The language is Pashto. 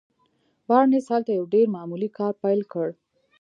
بارنس هلته يو ډېر معمولي کار پيل کړ.